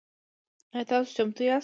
آیا تاسو چمتو یاست؟